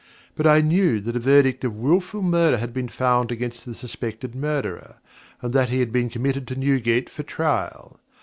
But I knew that a verdict of Wilful Murder had been found against the suspected Murderer, and that he had been committed to Newgate for trial.